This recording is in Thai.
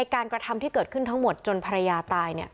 กระทำที่เกิดขึ้นทั้งหมดจนภรรยาตาย